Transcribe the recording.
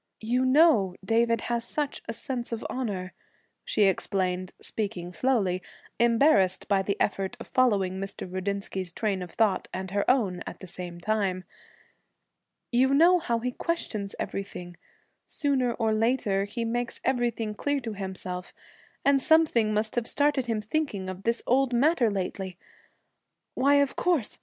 'You know David has such a sense of honor,' she explained, speaking slowly, embarrassed by the effort of following Mr. Rudinsky's train of thought and her own at the same time. 'You know how he questions everything sooner or later he makes everything clear to himself and something must have started him thinking of this old matter lately Why, of course!